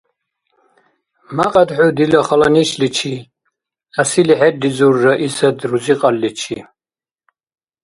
– Мякьяд хӀу дила хала нешличи, – гӀясили хӀерризур Раисат рузикьарличи.